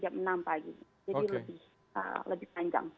jadi lebih panjang